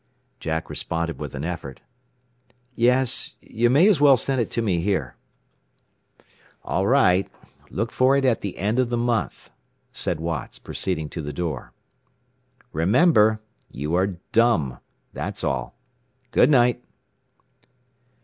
Jack responded with an effort. "Yes, you may as well send it to me here." "All right. Look for it at the end of the month," said Watts, proceeding to the door. "Remember, you are dumb. That's all. Good night."